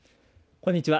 こんにちは。